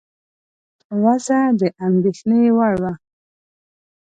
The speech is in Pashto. وضع د اندېښنې وړ وه.